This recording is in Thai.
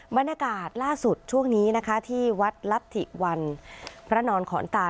บรรยากาศล่าสุดช่วงนี้นะคะที่วัดรัฐถิวันพระนอนขอนตา